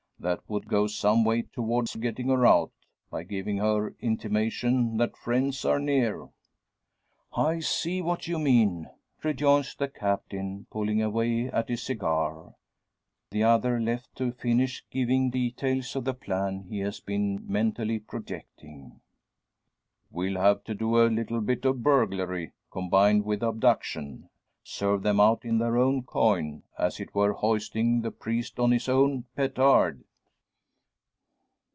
That would go some way towards getting her out by giving her intimation that friends are near." "I see what you mean," rejoins the Captain, pulling away at his cigar, the other left to finish giving details of the plan he has been mentally projecting. "We'll have to do a little bit of burglary, combined with abduction. Serve them out in their own coin; as it were hoisting the priest on his own petard!"